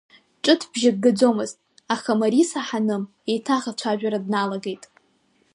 Ҷыт бжьык гаӡомызт, аха Мариса Ҳаным еиҭах ацәажәара дналагеит.